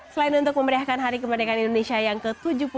selain untuk memeriahkan hari kemerdekaan indonesia yang ke tujuh puluh dua